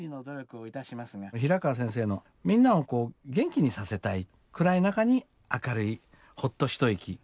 平川先生のみんなを元気にさせたい暗い中に明るいほっと一息を届けるようなね